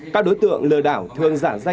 các đối tượng lừa đảo thường giả dạy